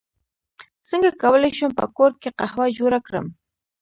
څنګه کولی شم په کور کې قهوه جوړه کړم